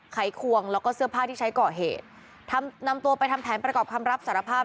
ไขควงแล้วก็เสื้อผ้าที่ใช้ก่อเหตุทำนำตัวไปทำแผนประกอบคำรับสารภาพ